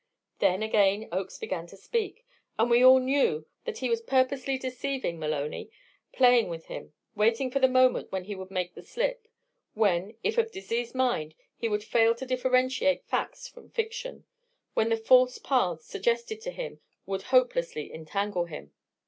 Then again Oakes began to speak, and we all knew that he was purposely deceiving Maloney, playing with him waiting for the moment when he would make the slip; when, if of diseased mind, he would fail to differentiate facts from fiction, when the false paths suggested to him would hopelessly entangle him.